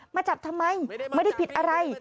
มาจับทำไมไม่ได้ผิดอะไร